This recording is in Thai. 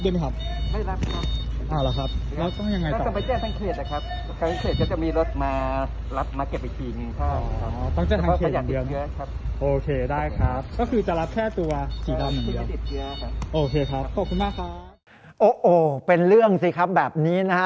โอ้โหเป็นเรื่องสิครับแบบนี้นะฮะ